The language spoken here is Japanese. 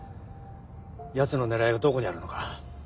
ヤツの狙いがどこにあるのか。